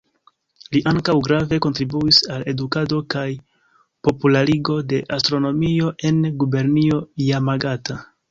Li ankaŭ grave kontribuis al eduko kaj popularigo de astronomio en gubernio Jamagata.